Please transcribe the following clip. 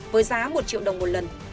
với giá một triệu đồng một lần